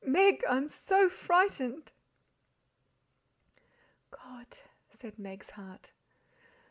MEG, I'm so frightened!" "God!" said Meg's heart.